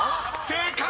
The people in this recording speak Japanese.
［正解！